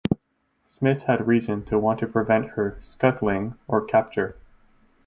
Smith had reason to want to prevent her scuttling or capture.